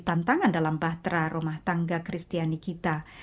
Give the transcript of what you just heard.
tantangan dalam bahtera rumah tangga kristiani kita